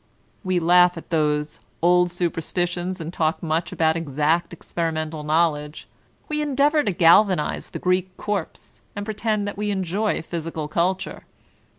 We laugh at those old superstitions, and talk much about exact experimental knowledge. We endeavor to gal vanize the Greek corpse, and pretend that we enjoy phjTsical culture.